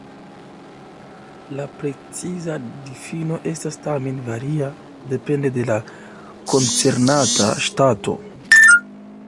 La preciza difino estas tamen varia, depende de la koncernata ŝtato.